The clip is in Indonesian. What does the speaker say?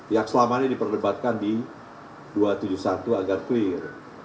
yang selama ini diperdebatkan di dua ratus tujuh puluh satu agar clear